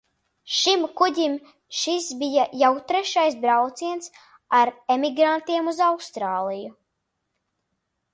Šim kuģim šis bija jau trešais brauciens ar emigrantiem uz Austrāliju.